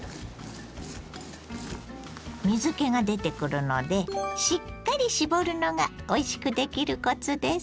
水けが出てくるのでしっかり絞るのがおいしくできるコツです。